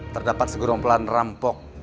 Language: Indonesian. terdapat segerong pelan rampok